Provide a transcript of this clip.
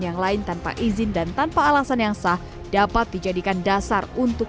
yang lain tanpa izin dan tanpa alasan yang sah dapat dijadikan dasar untuk